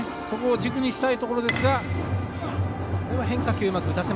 そこを軸にしたいところですが。